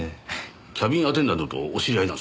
キャビンアテンダントとお知り合いなんですか？